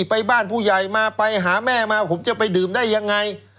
ไปบ้านผู้ใหญ่มาไปหาแม่มาผมจะไปดื่มได้ยังไง